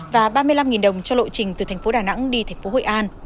và ba mươi năm đồng cho lộ trình từ tp đà nẵng đi tp hội an